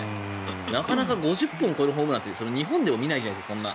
なかなか５０本超えるホームランって日本でも見ないじゃないですか。